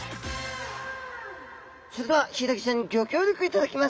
それではヒイラギちゃんにギョ協力いただきます。